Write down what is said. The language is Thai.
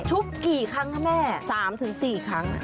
กี่ครั้งคะแม่๓๔ครั้ง